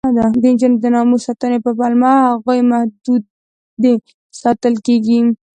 د نجونو د ناموس ساتنې په پلمه هغوی محدودې ساتل کېږي.